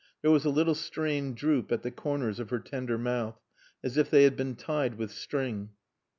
There was a little strained droop at the corners of her tender mouth, as if they had been tied with string.